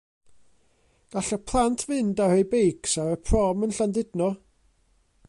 Gall y plant fynd ar ei beics ar y prom yn Llandudno.